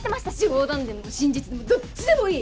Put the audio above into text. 冗談でも真実でもどっちでもいい。